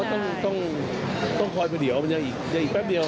ผมว่าต้องคอยพอเดี๋ยวมันยังหญ้าอีกแป๊บเดียว